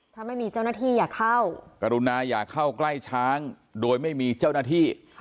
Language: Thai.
ถ้าไม่มีเจ้าหน้าที่อย่าเข้ากรุณาอย่าเข้าใกล้ช้างโดยไม่มีเจ้าหน้าที่